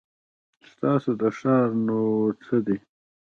ستاسو د ښار نو څه دی ؟